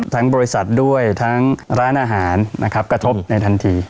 บริษัทด้วยทั้งร้านอาหารนะครับกระทบในทันที